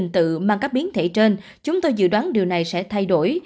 tự mang các biến thể trên chúng tôi dự đoán điều này sẽ thay đổi